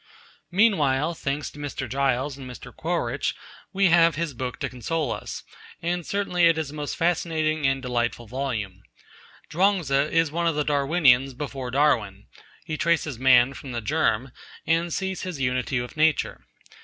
Meanwhile, thanks to Mr. Giles and Mr. Quaritch, we have his book to console us, and certainly it is a most fascinating and delightful volume. Chuang Tzu is one of the Darwinians before Darwin. He traces man from the germ, and sees his unity with nature.